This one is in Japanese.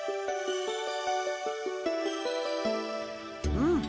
うん。